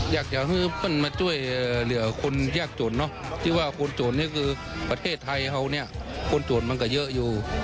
อยากจะมาช่วยเหลือคนแยกโจรที่ว่าคนโจรนี้คือประเทศไทยคนโจรมันก็เยอะอยู่